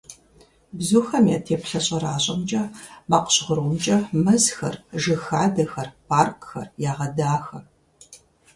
Бзухэм я теплъэ щӀэращӀэмкӀэ, макъ жьгърумкӀэ мэзхэр, жыг хадэхэр, паркхэр ягъэдахэ.